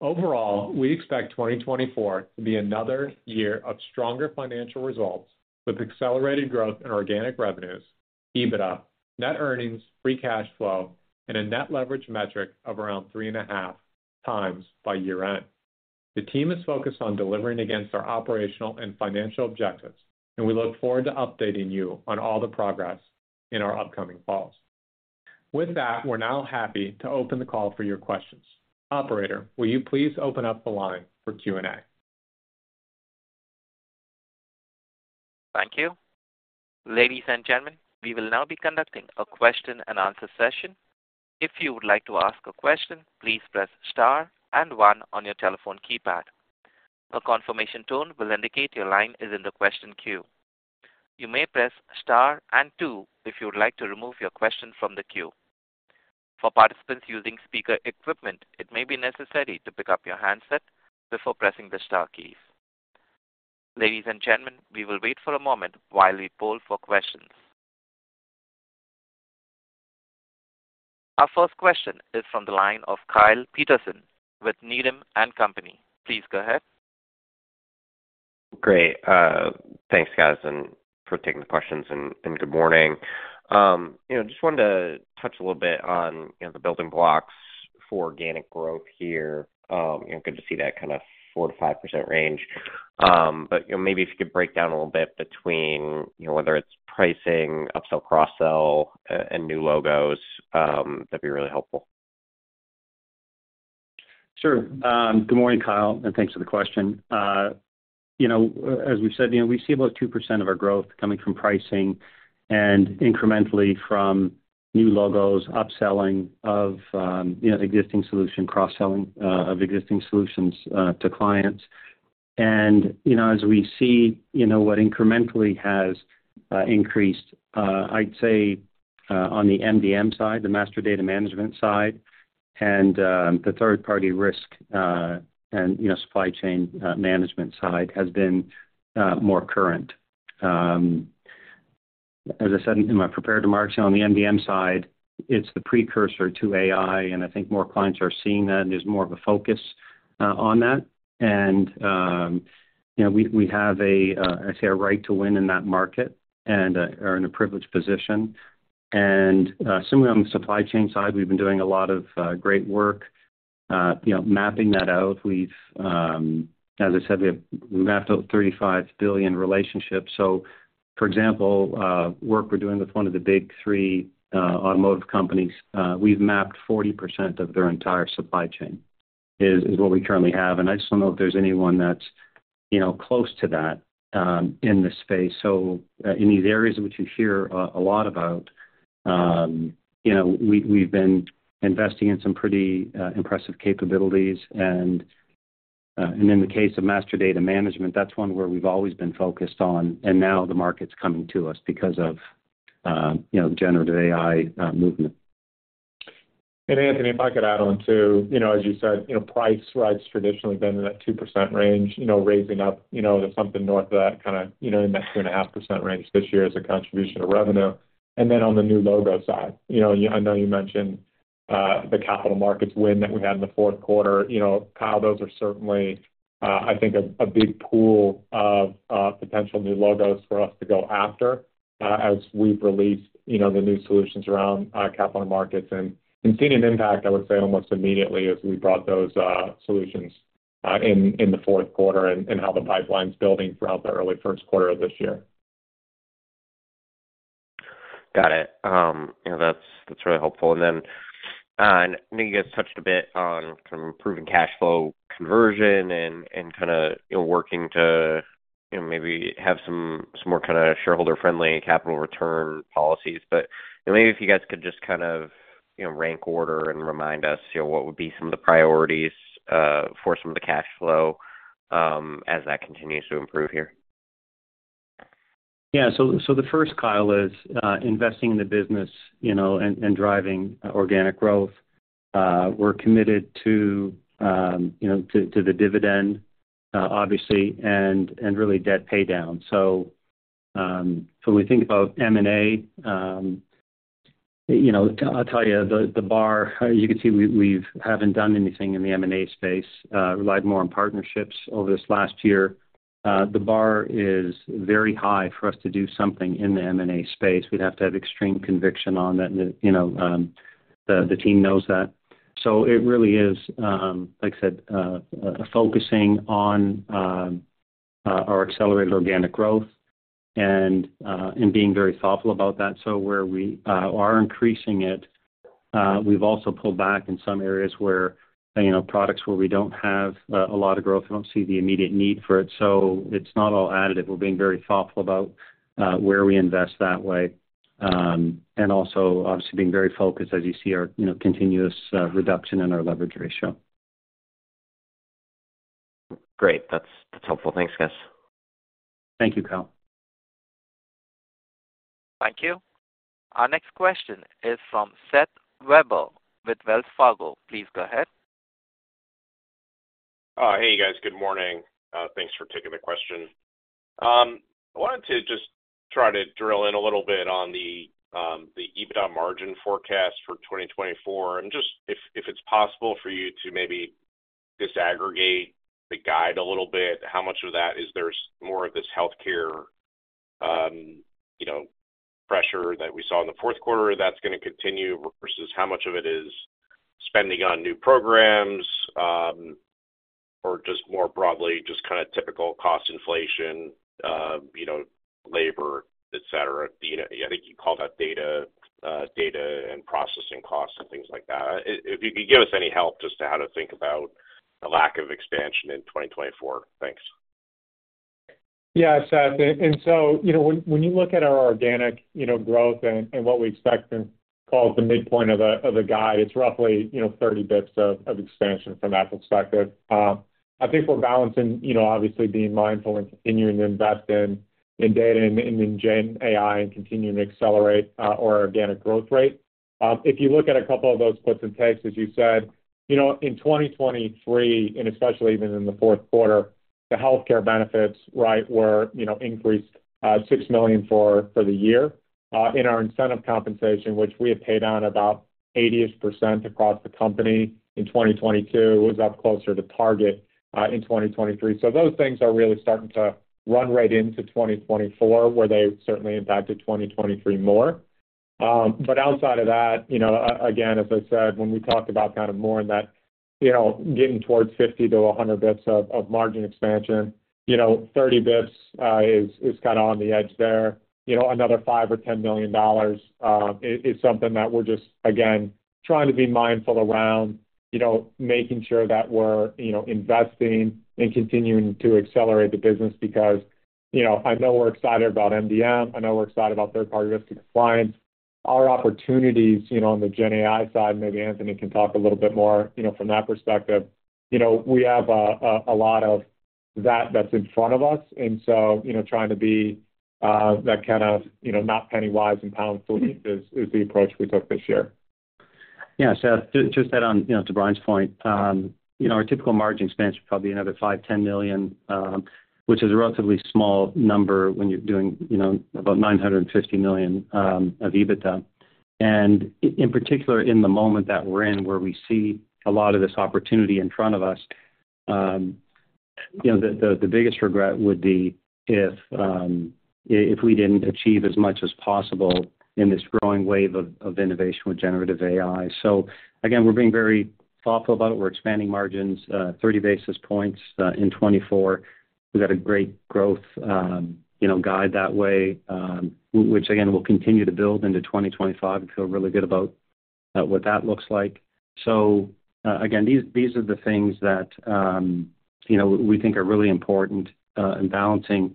Overall, we expect 2024 to be another year of stronger financial results, with accelerated growth in organic revenues, EBITDA, net earnings, free cash flow, and a net leverage metric of around 3.5 times by year-end. The team is focused on delivering against our operational and financial objectives, and we look forward to updating you on all the progress in our upcoming calls. With that, we're now happy to open the call for your questions. Operator, will you please open up the line for Q&A? Thank you. Ladies and gentlemen, we will now be conducting a question-and-answer session. If you would like to ask a question, please press star and one on your telephone keypad. A confirmation tone will indicate your line is in the question queue. You may press star and two if you would like to remove your question from the queue. For participants using speaker equipment, it may be necessary to pick up your handset before pressing the star key. Ladies and gentlemen, we will wait for a moment while we poll for questions. Our first question is from the line of Kyle Peterson with Needham and Company. Please go ahead. Great. Thanks, guys, for taking the questions, and good morning. You know, just wanted to touch a little bit on, you know, the building blocks for organic growth here. You know, good to see that kind of 4%-5% range. But, you know, maybe if you could break down a little bit between, you know, whether it's pricing, upsell, cross-sell, and new logos, that'd be really helpful. Sure. Good morning, Kyle, and thanks for the question. You know, as we've said, you know, we see about 2% of our growth coming from pricing and incrementally from new logos, upselling of, you know, existing solution, cross-selling of existing solutions to clients. And, you know, as we see, you know, what incrementally has increased, I'd say, on the MDM side, the master data management side, and, the third-party risk, and, you know, supply chain, management side has been, more current. As I said in my prepared remarks, on the MDM side, it's the precursor to AI, and I think more clients are seeing that, and there's more of a focus on that. You know, we have a right to win in that market and are in a privileged position. Similarly on the supply chain side, we've been doing a lot of great work, you know, mapping that out. As I said, we have mapped out 35 billion relationships. So, for example, work we're doing with one of the big three automotive companies, we've mapped 40% of their entire supply chain, is what we currently have, and I just don't know if there's anyone that's, you know, close to that in this space. So in these areas which you hear a lot about, you know, we have been investing in some pretty impressive capabilities. And in the case of master data management, that's one where we've always been focused on, and now the market's coming to us because of, you know, Generative AI movement. Anthony, if I could add on to, you know, as you said, you know, price rise traditionally been in that 2% range, you know, raising up, you know, to something north of that kind of, you know, in that 2.5% range this year as a contribution to revenue. Then on the new logo side, you know, I know you mentioned the capital markets win that we had in the fourth quarter. You know, Kyle, those are certainly, I think, a big pool of potential new logos for us to go after, as we've released, you know, the new solutions around capital markets. We've seen an impact, I would say, almost immediately as we brought those solutions in the fourth quarter and how the pipeline's building throughout the early first quarter of this year.... Got it. You know, that's really helpful. And then, I know you guys touched a bit on some improving cash flow conversion and kinda, you know, working to, you know, maybe have some more kinda shareholder-friendly capital return policies. But maybe if you guys could just kind of, you know, rank order and remind us, you know, what would be some of the priorities for some of the cash flow as that continues to improve here? Yeah. So the first, Kyle, is investing in the business, you know, and driving organic growth. We're committed to, you know, the dividend, obviously, and really, debt paydown. So when we think about M&A, you know, I'll tell you, the bar. You can see we haven't done anything in the M&A space, relied more on partnerships over this last year. The bar is very high for us to do something in the M&A space. We'd have to have extreme conviction on that, you know, the team knows that. So it really is, like I said, focusing on our accelerated organic growth and being very thoughtful about that. So where we are increasing it, we've also pulled back in some areas where, you know, products where we don't have a lot of growth, we don't see the immediate need for it. So it's not all additive. We're being very thoughtful about where we invest that way. And also, obviously, being very focused, as you see our, you know, continuous reduction in our leverage ratio. Great. That's, that's helpful. Thanks, guys. Thank you, Kyle. Thank you. Our next question is from Seth Weber with Wells Fargo. Please go ahead. Hey, guys. Good morning. Thanks for taking the question. I wanted to just try to drill in a little bit on the EBITDA margin forecast for 2024. Just if, if it's possible for you to maybe disaggregate the guide a little bit, how much of that is there's more of this healthcare, you know, pressure that we saw in the fourth quarter that's gonna continue, versus how much of it is spending on new programs, or just more broadly, just kinda typical cost inflation, you know, labor, et cetera. You know, I think you call that data, data and processing costs and things like that. If you could give us any help just to how to think about the lack of expansion in 2024? Thanks. Yeah, Seth. So, you know, when you look at our organic, you know, growth and what we expect and call it the midpoint of a guide, it's roughly, you know, 30 bits of expansion from that perspective. I think we're balancing, you know, obviously, being mindful and continuing to invest in data and in Gen AI and continuing to accelerate our organic growth rate. If you look at a couple of those puts and takes, as you said, you know, in 2023, and especially even in the fourth quarter, the healthcare benefits, right, were, you know, increased $6 million for the year. In our incentive compensation, which we had paid down about 80% across the company in 2022, was up closer to target in 2023. So those things are really starting to run right into 2024, where they certainly impacted 2023 more. But outside of that, you know, again, as I said, when we talked about kind of more in that, you know, getting towards 50-100 bits of margin expansion, you know, 30 bits is kinda on the edge there. You know, another $5 million or $10 million is something that we're just, again, trying to be mindful around, you know, making sure that we're, you know, investing and continuing to accelerate the business. Because, you know, I know we're excited about MDM, I know we're excited about third-party risk and compliance. Our opportunities, you know, on the Gen AI side, maybe Anthony can talk a little bit more, you know, from that perspective, you know, we have a lot of that that's in front of us, and so, you know, trying to be that kind of, you know, not penny wise and pound foolish is the approach we took this year. Yeah, Seth, just, just add on, you know, to Bryan's point, our typical margin expansion, probably another $5 million-$10 million, which is a relatively small number when you're doing, you know, about $950 million of EBITDA. In particular, in the moment that we're in, where we see a lot of this opportunity in front of us, you know, the biggest regret would be if we didn't achieve as much as possible in this growing wave of innovation with Generative AI. So again, we're being very thoughtful about it. We're expanding margins 30 basis points in 2024. We've got a great growth, you know, guide that way, which again, will continue to build into 2025 and feel really good about what that looks like. So, again, these, these are the things that, you know, we think are really important in balancing,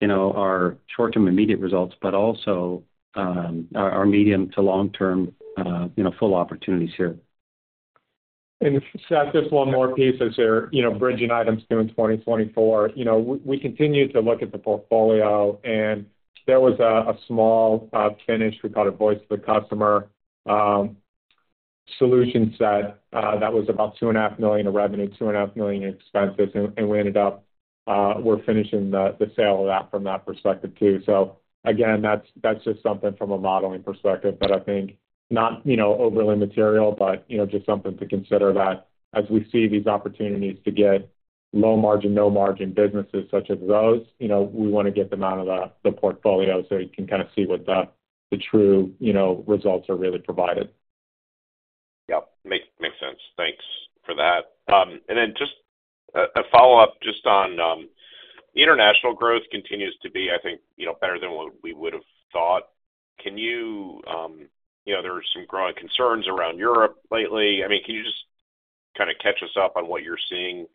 you know, our short-term immediate results, but also, our, our medium to long-term, you know, full opportunities here. Seth, just one more piece as you're, you know, bridging items doing 2024. You know, we continue to look at the portfolio, and there was a small Finnish. We call it voice of the customer solution set that was about $2.5 million in revenue, $2.5 million in expenses, and we ended up, we're finishing the sale of that from that perspective too. So again, that's just something from a modeling perspective that I think not, you know, overly material, but, you know, just something to consider that as we see these opportunities to get low margin, no margin businesses such as those, you know, we want to get them out of the portfolio so you can kind of see what the true, you know, results are really provided. Yeah, makes sense for that. And then just a follow-up, just on the international growth continues to be, I think, you know, better than what we would have thought. Can you, you know, there are some growing concerns around Europe lately. I mean, can you just kind of catch us up on what you're seeing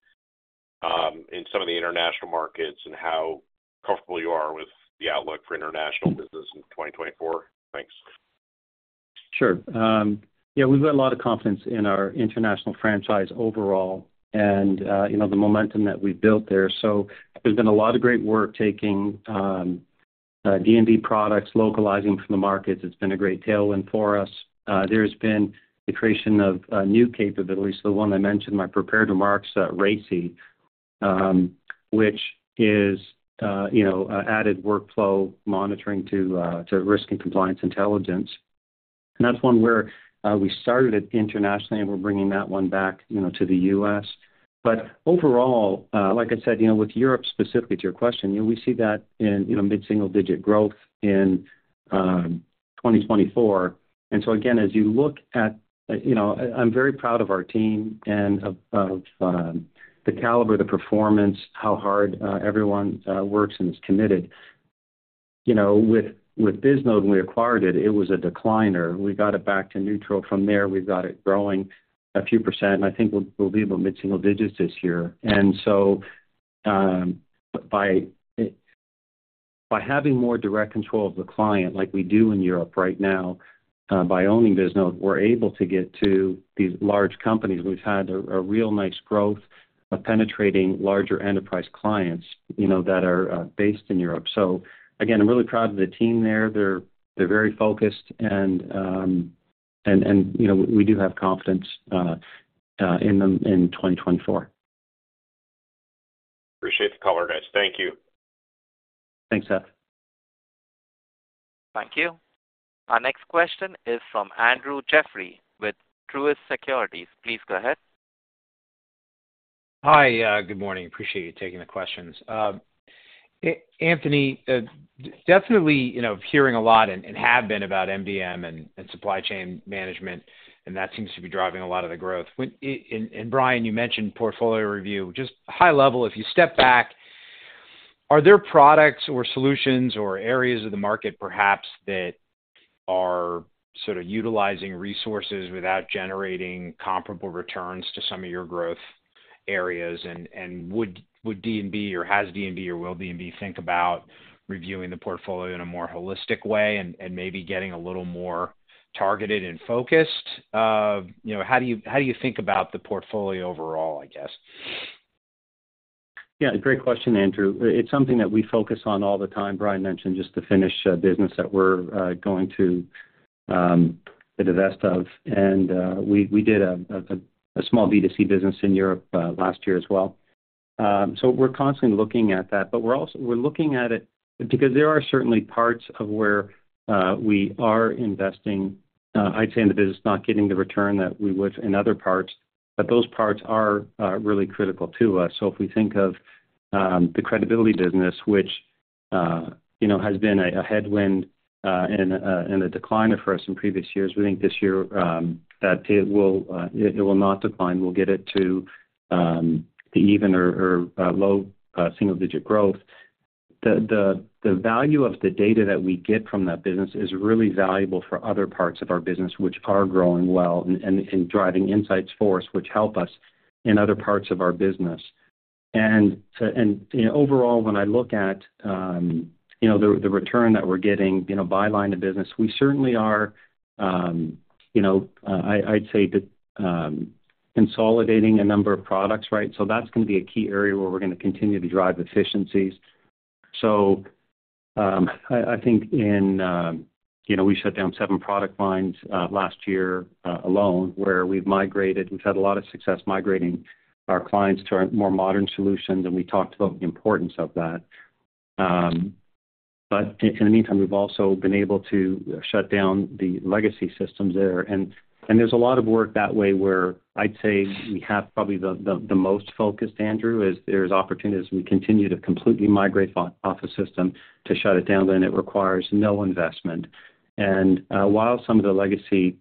in some of the international markets and how comfortable you are with the outlook for international business in 2024? Thanks. Sure. Yeah, we've got a lot of confidence in our international franchise overall and, you know, the momentum that we've built there. So there's been a lot of great work taking D&B products, localizing for the markets. It's been a great tailwind for us. There's been the creation of new capabilities, the one I mentioned in my prepared remarks, RACI, which is, you know, added workflow monitoring to risk and compliance intelligence. And that's one where we started it internationally, and we're bringing that one back, you know, to the US. But overall, like I said, you know, with Europe specifically, to your question, you know, we see that in, you know, mid-single-digit growth in 2024. And so again, as you look at, you know, I'm very proud of our team and of the caliber, the performance, how hard everyone works and is committed. You know, with Bisnode, when we acquired it, it was a decliner. We got it back to neutral. From there, we've got it growing a few percent, and I think we'll be about mid-single digits this year. And so, by having more direct control of the client, like we do in Europe right now, by owning Bisnode, we're able to get to these large companies. We've had a real nice growth of penetrating larger enterprise clients, you know, that are based in Europe. So again, I'm really proud of the team there. They're very focused and, you know, we do have confidence in them in 2024. Appreciate the color, guys. Thank you. Thanks, Seth. Thank you. Our next question is from Andrew Jeffrey with Truist Securities. Please go ahead. Hi. Good morning. Appreciate you taking the questions. Anthony, definitely, you know, hearing a lot and, and have been about MDM and, and supply chain management, and that seems to be driving a lot of the growth. When... And, and Bryan, you mentioned portfolio review. Just high level, if you step back, are there products or solutions or areas of the market perhaps that are sort of utilizing resources without generating comparable returns to some of your growth areas? And, and would, would D&B or has D&B or will D&B think about reviewing the portfolio in a more holistic way and, and maybe getting a little more targeted and focused? You know, how do you, how do you think about the portfolio overall, I guess? Yeah, great question, Andrew. It's something that we focus on all the time. Bryan mentioned just the Finnish business that we're going to divest of, and we did a small B2C business in Europe last year as well. So we're constantly looking at that, but we're also looking at it because there are certainly parts of where we are investing, I'd say, in the business, not getting the return that we would in other parts, but those parts are really critical to us. So if we think of the credit business, which you know has been a headwind and a decliner for us in previous years, we think this year that it will not decline. We'll get it to even or low single digit growth. The value of the data that we get from that business is really valuable for other parts of our business, which are growing well and driving insights for us, which help us in other parts of our business. So, you know, overall, when I look at, you know, the return that we're getting, you know, by line of business, we certainly are, you know, I'd say that consolidating a number of products, right? So that's going to be a key area where we're going to continue to drive efficiencies. So, I think, you know, we shut down seven product lines last year alone, where we've migrated. We've had a lot of success migrating our clients to our more modern solutions, and we talked about the importance of that. But in the meantime, we've also been able to shut down the legacy systems there. And there's a lot of work that way, where I'd say we have probably the most focused, Andrew, is there's opportunities. We continue to completely migrate off the system to shut it down, then it requires no investment. And while some of the legacy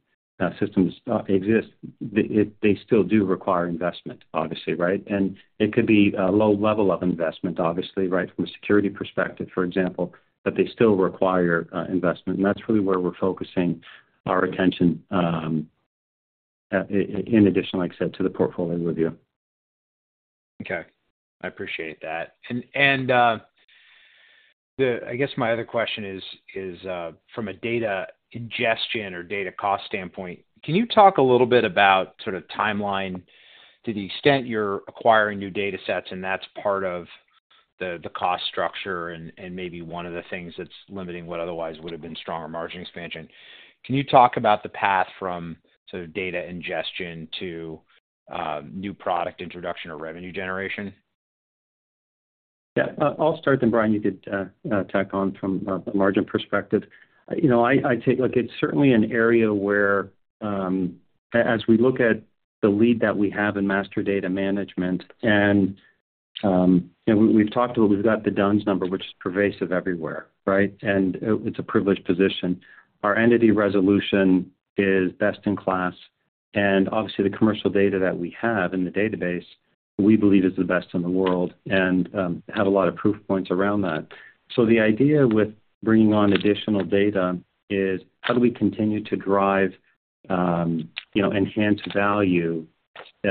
systems exist, they still do require investment, obviously, right? And it could be a low level of investment, obviously, right? From a security perspective, for example, but they still require investment. And that's really where we're focusing our attention, in addition, like I said, to the portfolio review. Okay. I appreciate that. I guess my other question is from a data ingestion or data cost standpoint, can you talk a little bit about sort of timeline, to the extent you're acquiring new datasets, and that's part of the cost structure and maybe one of the things that's limiting what otherwise would have been stronger margin expansion? Can you talk about the path from sort of data ingestion to new product introduction or revenue generation? Yeah. I'll start then, Bryan, you could tack on from a margin perspective. You know, I, I'd say, look, it's certainly an area where as we look at the lead that we have in master data management and and we, we've talked a little, we've got the D-U-N-S Number, which is pervasive everywhere, right? And it, it's a privileged position. Our entity resolution is best in class, and obviously, the commercial data that we have in the database, we believe is the best in the world, and have a lot of proof points around that. So the idea with bringing on additional data is how do we continue to drive, you know, enhanced value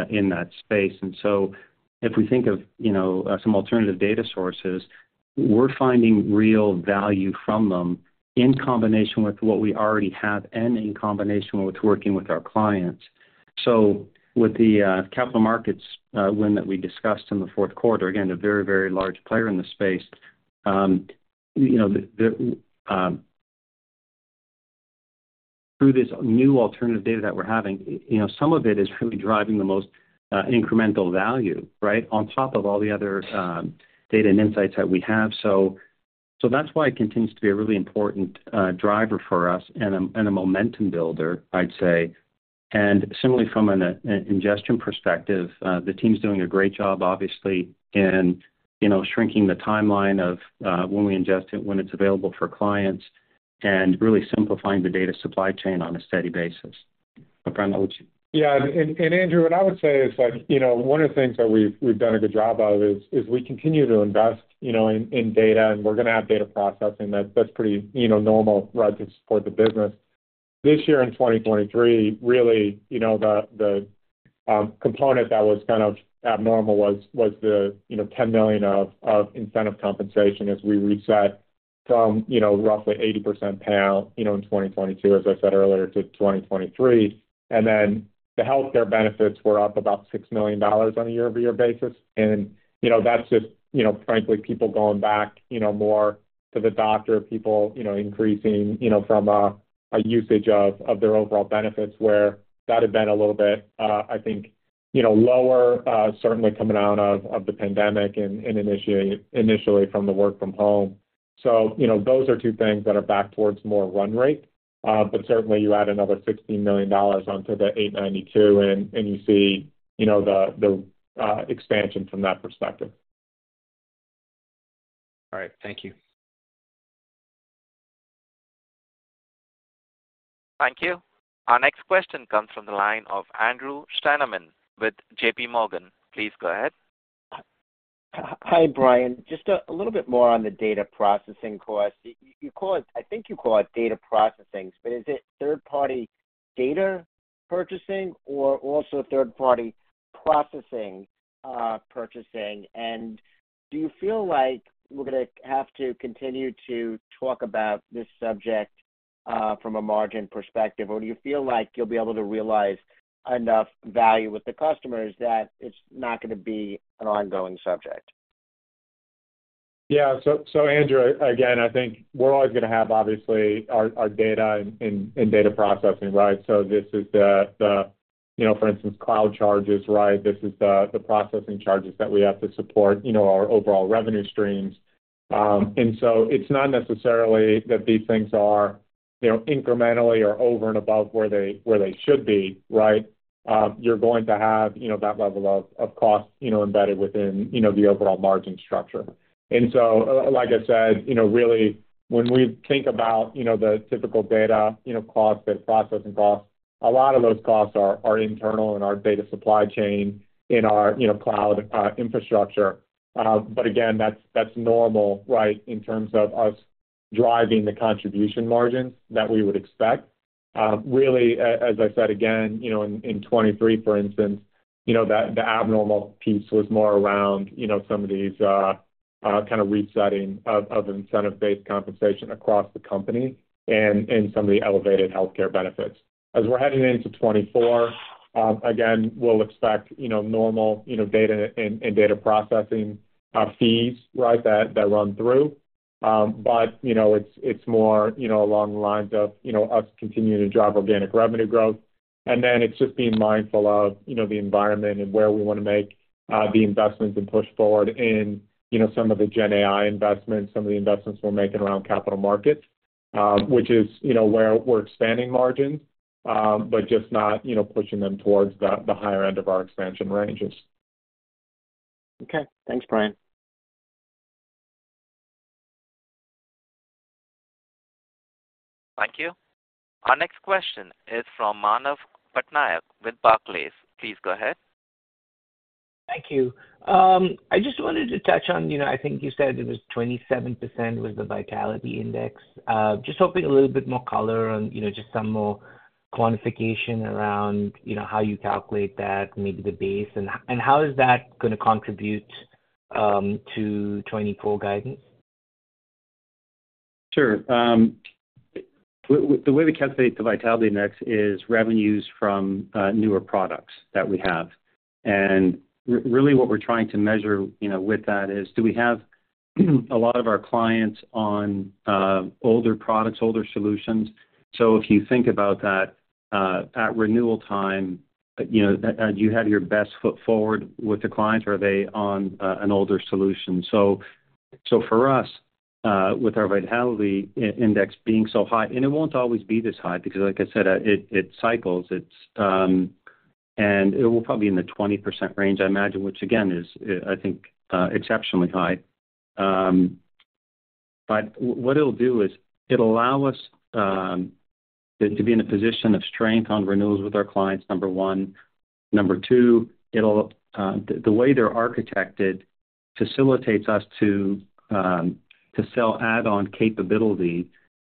in that space? So if we think of, you know, some alternative data sources, we're finding real value from them in combination with what we already have and in combination with working with our clients. So with the capital markets win that we discussed in the fourth quarter, again, a very, very large player in the space. You know, through this new alternative data that we're having, you know, some of it is really driving the most incremental value, right? On top of all the other data and insights that we have. So that's why it continues to be a really important driver for us and a momentum builder, I'd say. And similarly, from an ingestion perspective, the team's doing a great job, obviously, in, you know, shrinking the timeline of when we ingest it, when it's available for clients, and really simplifying the data supply chain on a steady basis. Bryan, I'll let you- Yeah, and Andrew, what I would say is like, you know, one of the things that we've done a good job of is we continue to invest, you know, in data, and we're gonna add data processing. That's pretty, you know, normal, right, to support the business. This year in 2023, really, you know, the component that was kind of abnormal was the $10 million of incentive compensation as we reset from, you know, roughly 80% PAL, you know, in 2022, as I said earlier, to 2023. And then the healthcare benefits were up about $6 million on a year-over-year basis. You know, that's just, you know, frankly, people going back, you know, more to the doctor, people, you know, increasing, you know, from a usage of their overall benefits, where that had been a little bit, I think, you know, lower, certainly coming out of the pandemic and initially from the work from home. You know, those are two things that are back towards more run rate. But certainly you add another $16 million onto the $892 million, and you see, you know, the expansion from that perspective. All right. Thank you. Thank you. Our next question comes from the line of Andrew Steinerman with J.P. Morgan. Please go ahead. Hi, Bryan. Just a little bit more on the data processing cost. You call it—I think you call it data processing, but is it third-party data purchasing or also third-party processing, purchasing? And do you feel like we're gonna have to continue to talk about this subject from a margin perspective, or do you feel like you'll be able to realize enough value with the customers that it's not gonna be an ongoing subject? Yeah. So, Andrew, again, I think we're always gonna have, obviously, our data and data processing, right? So this is the, you know, for instance, cloud charges, right? This is the processing charges that we have to support, you know, our overall revenue streams. And so it's not necessarily that these things are, you know, incrementally or over and above where they should be, right? You're going to have, you know, that level of cost, you know, embedded within, you know, the overall margin structure. And so, like I said, you know, really when we think about, you know, the typical data, you know, costs, the processing costs, a lot of those costs are internal in our data supply chain, in our, you know, cloud infrastructure. But again, that's normal, right, in terms of us driving the contribution margins that we would expect. Really, as I said again, you know, in 2023, for instance, you know, the abnormal piece was more around, you know, some of these kind of resetting of incentive-based compensation across the company and some of the elevated healthcare benefits. As we're heading into 2024, again, we'll expect, you know, normal, you know, data and data processing fees, right, that run through. But, you know, it's more, you know, along the lines of, you know, us continuing to drive organic revenue growth. Then it's just being mindful of, you know, the environment and where we want to make the investments and push forward in, you know, some of the Gen AI investments, some of the investments we're making around capital markets, which is, you know, where we're expanding margins, but just not, you know, pushing them towards the higher end of our expansion ranges. Okay. Thanks, Bryan. Thank you. Our next question is from Manav Patnaik with Barclays. Please go ahead. Thank you. I just wanted to touch on, you know, I think you said it was 27% was the Vitality Index. Just hoping a little bit more color on, you know, just some more quantification around, you know, how you calculate that, maybe the base, and how is that gonna contribute to 2024 guidance? Sure. The way we calculate the Vitality Index is revenues from newer products that we have. And really what we're trying to measure, you know, with that is, do we have a lot of our clients on older products, older solutions? So if you think about that, at renewal time, you know, do you have your best foot forward with the clients, or are they on an older solution? So, so for us- ... with our vitality index being so high, and it won't always be this high because like I said, it cycles. It's, and it will probably in the 20% range, I imagine, which again, is, I think, exceptionally high. But what it'll do is it'll allow us to be in a position of strength on renewals with our clients, number one. Number two, the way they're architected facilitates us to sell add-on capability,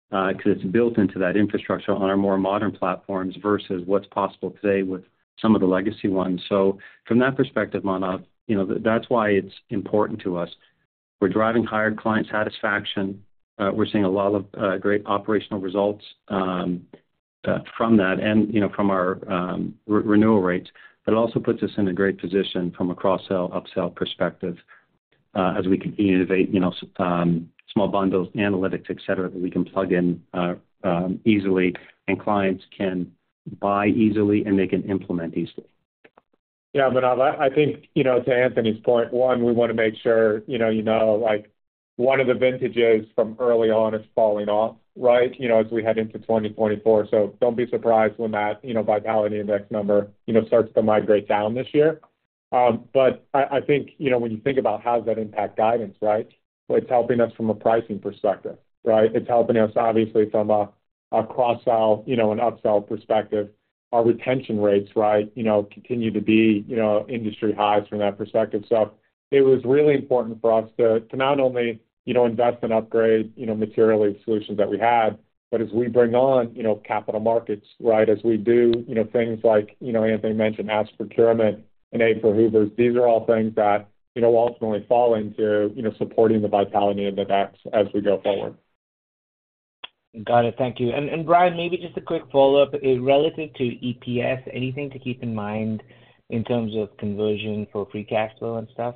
because it's built into that infrastructure on our more modern platforms versus what's possible today with some of the legacy ones. So from that perspective, Manav, you know, that's why it's important to us. We're driving higher client satisfaction. We're seeing a lot of great operational results from that and, you know, from our re-renewal rates. It also puts us in a great position from a cross-sell, up-sell perspective, as we continue to innovate, you know, small bundles, analytics, et cetera, that we can plug in easily and clients can buy easily, and they can implement easily. Yeah, Manav, I think, you know, to Anthony's point, one, we wanna make sure, you know, you know, like, one of the vintages from early on is falling off, right? You know, as we head into 2024. So don't be surprised when that, you know, Vitality Index number, you know, starts to migrate down this year. But I think, you know, when you think about how does that impact guidance, right? It's helping us from a pricing perspective, right? It's helping us obviously from a cross-sell, you know, an up-sell perspective. Our retention rates, right, you know, continue to be, you know, industry highs from that perspective. So it was really important for us to not only, you know, invest and upgrade, you know, materially solutions that we had, but as we bring on, you know, capital markets, right? As we do, you know, things like, you know, Anthony mentioned, Ask Procurement and AI for Hoovers, these are all things that, you know, ultimately fall into, you know, supporting the Vitality Index as we go forward. Got it. Thank you. And, Bryan, maybe just a quick follow-up. Relative to EPS, anything to keep in mind in terms of conversion for free cash flow and stuff?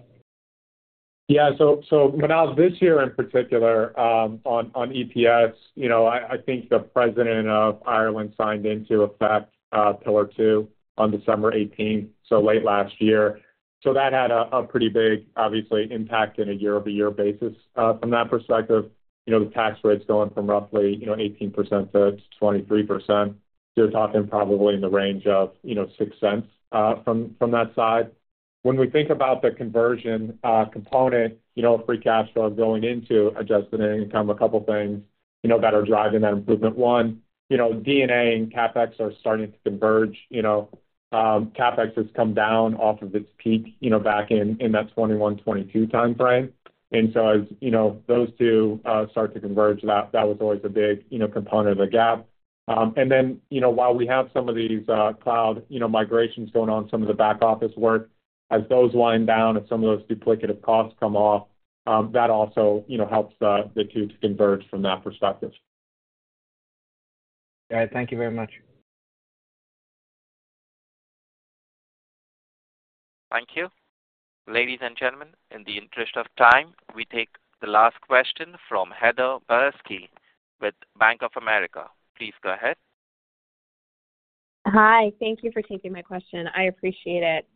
Yeah. So, Manav, this year, in particular, on EPS, you know, I think the President of Ireland signed into effect Pillar Two on December eighteenth, so late last year. So that had a pretty big, obviously, impact in a year-over-year basis. From that perspective, you know, the tax rate's going from roughly, you know, 18%-23%. You're talking probably in the range of, you know, $0.06 from that side. When we think about the conversion component, you know, free cash flow going into adjusted income, a couple of things, you know, that are driving that improvement. One, you know, D&A and CapEx are starting to converge. You know, CapEx has come down off of its peak, you know, back in that 2021, 2022 time frame. And so, as you know, those two start to converge, that, that was always a big, you know, component of the gap. And then, you know, while we have some of these cloud migrations going on, some of the back office work, as those wind down and some of those duplicative costs come off, that also, you know, helps the, the two to converge from that perspective. All right. Thank you very much. Thank you. Ladies and gentlemen, in the interest of time, we take the last question from Heather Balsky with Bank of America. Please go ahead. Hi, thank you for taking my question. I appreciate it.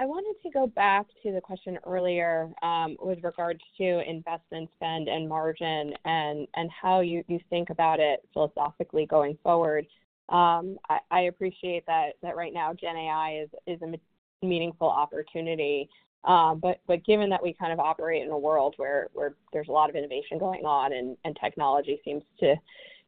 I wanted to go back to the question earlier, with regards to investment spend and margin and how you think about it philosophically going forward. I appreciate that right now, GenAI is a meaningful opportunity. But given that we kind of operate in a world where there's a lot of innovation going on and technology seems to,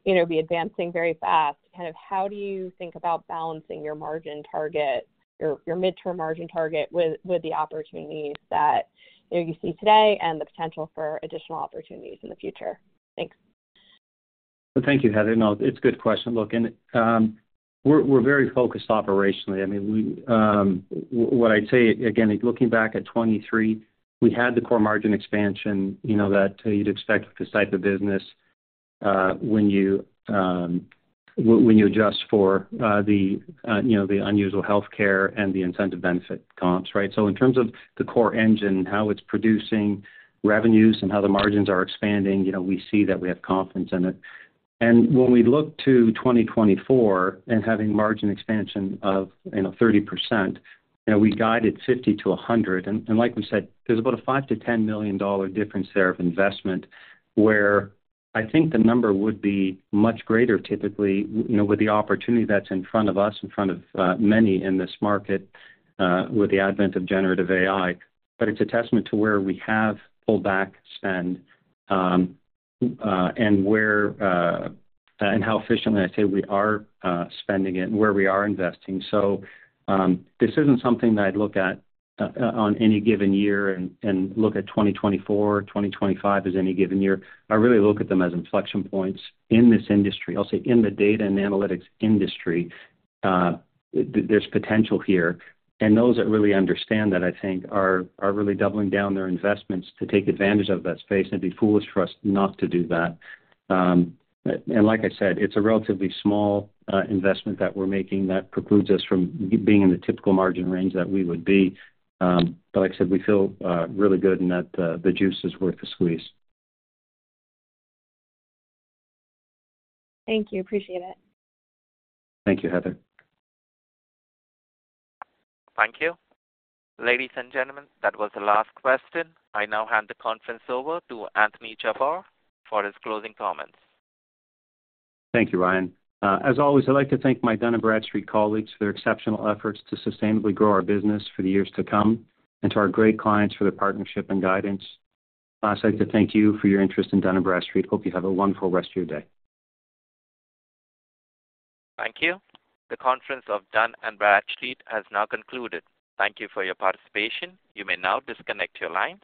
you know, be advancing very fast, kind of how do you think about balancing your margin target, your midterm margin target with the opportunities that, you know, you see today and the potential for additional opportunities in the future? Thanks. Well, thank you, Heather. No, it's a good question. Look, we're very focused operationally. I mean, what I'd say, again, looking back at 2023, we had the core margin expansion, you know, that you'd expect with this type of business, when you adjust for, you know, the unusual healthcare and the incentive benefit comps, right? So in terms of the core engine, how it's producing revenues and how the margins are expanding, you know, we see that we have confidence in it. And when we look to 2024 and having margin expansion of, you know, 30%, you know, we guided 50-100. And like we said, there's about a $5 million-$10 million difference there of investment, where I think the number would be much greater, typically, you know, with the opportunity that's in front of us, in front of many in this market, with the advent of Generative AI. But it's a testament to where we have pulled back spend and where and how efficiently I'd say we are spending it and where we are investing. So, this isn't something that I'd look at on any given year and look at 2024, 2025 as any given year. I really look at them as inflection points in this industry. I'll say in the data and analytics industry, there's potential here, and those that really understand that, I think, are really doubling down their investments to take advantage of that space, and it'd be foolish for us not to do that. And like I said, it's a relatively small investment that we're making that precludes us from being in the typical margin range that we would be. But like I said, we feel really good and that the juice is worth the squeeze. Thank you. Appreciate it. Thank you, Heather. Thank you. Ladies and gentlemen, that was the last question. I now hand the conference over to Anthony Jabbour for his closing comments. Thank you, Ryan. As always, I'd like to thank my Dun & Bradstreet colleagues for their exceptional efforts to sustainably grow our business for the years to come and to our great clients for their partnership and guidance. I'd like to thank you for your interest in Dun & Bradstreet. Hope you have a wonderful rest of your day. Thank you. The conference of Dun & Bradstreet has now concluded. Thank you for your participation. You may now disconnect your lines.